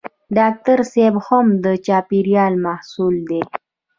ډاکټر صېب هم د چاپېریال محصول دی.